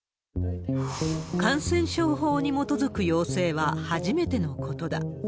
感染症法に基づく要請は初めてのことだ。